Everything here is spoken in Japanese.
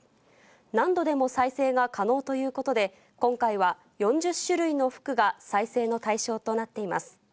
何度でも再生が可能ということで、今回は４０種類の服が再生の対象となっています。